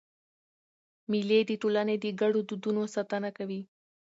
مېلې د ټولني د ګډو دودونو ساتنه کوي.